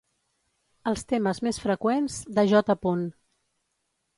Els temes més freqüents de J.